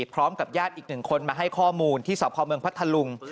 พร้อมกับญาติอีกหนึ่งคนมาให้ข้อมูลที่สพเมืองพัทธลุง